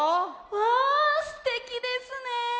あすてきですね！